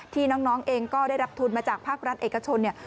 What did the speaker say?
ที่น้องเองก็ได้รับทุนมาจากภาครัฐเอกชน